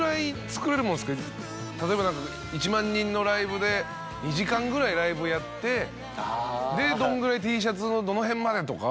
例えば１万人のライブで２時間ぐらいライブをやってでどのぐらいＴシャツのどの辺までとか。